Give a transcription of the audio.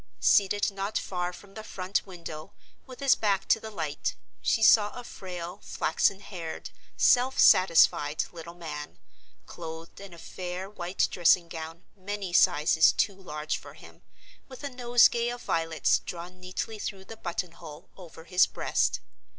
Seated not far from the front window, with his back to the light, she saw a frail, flaxen haired, self satisfied little man, clothed in a fair white dressing gown many sizes too large for him, with a nosegay of violets drawn neatly through the button hole over his breast.